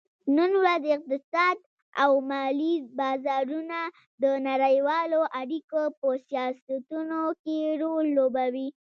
نن ورځ اقتصاد او مالي بازارونه د نړیوالو اړیکو په سیاستونو کې رول لوبوي